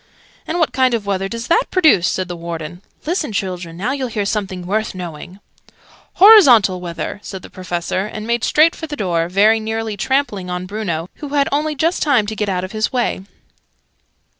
"And what kind of weather does that produce?" said the Warden. "Listen, children! Now you'll hear something worth knowing!" "Horizontal weather," said the Professor, and made straight for the door, very nearly trampling on Bruno, who had only just time to get out of his way.